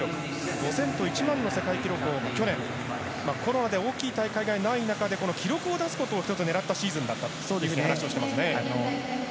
５０００と１００００の世界記録をコロナで大きな大会がない中で記録を出すことを１つ狙ったシーズンだったと話しています。